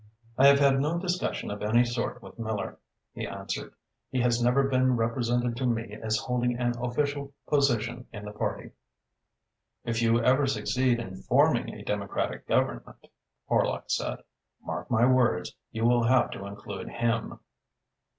"I have had no discussions of any sort with Miller," he answered. "He has never been represented to me as holding an official position in the party." "If you ever succeed in forming a Democratic Government," Horlock said, "mark my words, you will have to include him."